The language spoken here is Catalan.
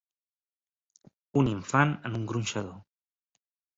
Un infant en un gronxador.